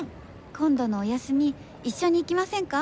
「今度のお休み一緒に行きませんか？」